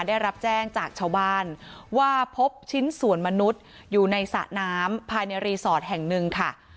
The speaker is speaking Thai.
ได้รับแจ้งจากชาวบ้านว่าพบชิ้นส่วนมนุษย์อยู่ในสระน้ำภายในรีสอร์ทแห่งหนึ่งค่ะ